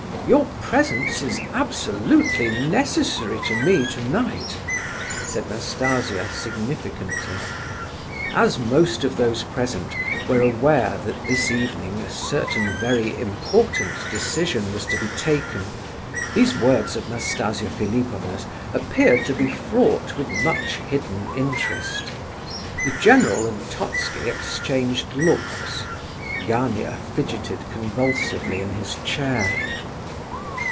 Your presence is absolutely necessary to me tonight," said Nastasia, significantly. As most of those present were aware that this evening a certain very important decision was to be taken, these words of Nastasia Philipovna's appeared to be fraught with much hidden interest. The general and Totski exchanged looks; Gania fidgeted convulsively in his chair.